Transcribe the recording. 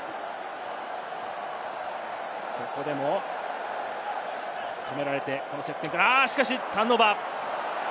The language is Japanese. ここで止められて、この接点からターンオーバー！